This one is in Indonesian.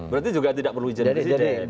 berarti juga tidak perlu izin presiden